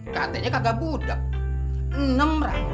katanya kakak budak